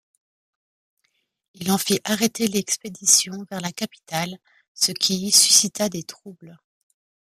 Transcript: Il en fit arrêter l'expédition vers la capitale, ce qui y suscita des troubles.